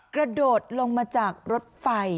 กระโดดลงมาจากรถไฟ